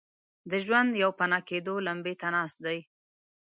د ژوند پوپناه کېدو لمبې ته ناست دي.